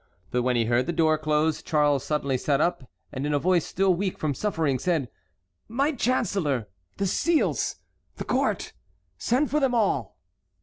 But when he heard the door close Charles suddenly sat up, and in a voice still weak from suffering, said: "My chancellor! The seals! the court!—send for them all."